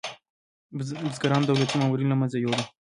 بزګرانو دولتي مامورین له منځه یوړل.